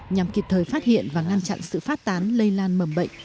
nhằm kịp thời phát hiện và ngăn chặn sự phát tán lây lan mầm bệnh